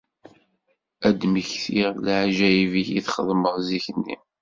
Ad d-mmektiɣ d leɛǧayeb-ik i txedmeḍ zik-nni.